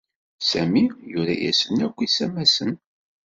Sami yura-asen akk isamasen.